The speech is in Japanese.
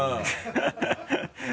ハハハ